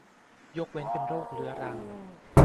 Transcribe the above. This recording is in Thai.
ยกเว้นเป็นโรคเรื้อรัง